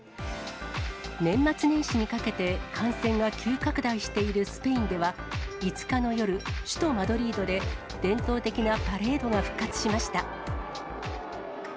年末年始にかけて感染が急拡大しているスペインでは、５日の夜、首都マドリードで伝統的なパレードが復活しました。